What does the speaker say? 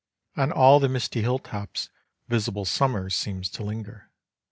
On all the misty hill tops visible summer seems to linger.